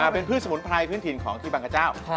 เป็นพืชสมุนไพรพื้นถิ่นของที่บางกระเจ้า